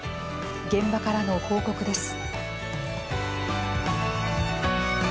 現場からの報告です。